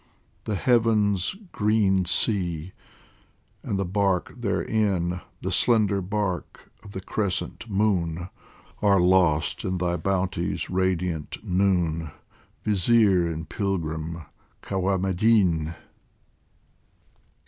The heavens' green sea and the bark therein, The slender bark of the crescent moon, Are lost in thy bounty's radiant noon, Vizir and pilgrim, Kawameddin